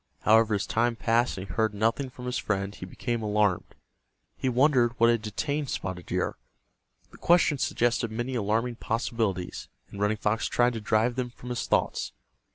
However, as time passed and he heard nothing from his friend he became alarmed. He wondered what had detained Spotted Deer. The question suggested many alarming possibilities, and Running Fox tried to drive them from his thoughts.